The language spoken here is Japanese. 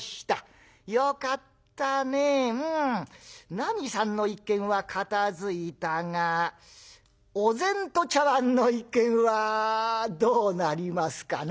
なみさんの一件は片づいたがお膳と茶碗の一件はどうなりますかな？」。